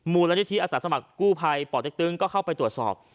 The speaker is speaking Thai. มูลนิธิอาสาสมัครกู้ภัยป่อเต็กตึงก็เข้าไปตรวจสอบ